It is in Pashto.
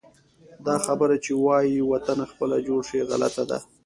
دا خبره چې وایي: وطنه خپله جوړ شي، غلطه ده.